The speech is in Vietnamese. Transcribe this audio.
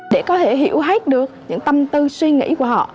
để có thể hiểu hết được những tâm tư suy nghĩ của họ